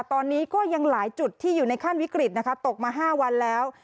ตอนนี้ก็ยังหลายจุดที่อยู่ในขั้นวิกฤตนะคะตกมา๕วันแล้ว